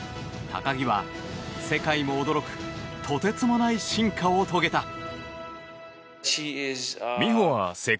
高木は、世界も驚くとてつもない進化を遂げた。